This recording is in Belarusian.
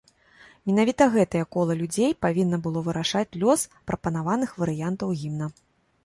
Менавіта гэтае кола людзей павінна было вырашаць лёс прапанаваных варыянтаў гімна.